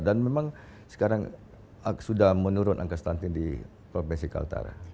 dan memang sekarang sudah menurun angka stunting di provinsi kalimantan utara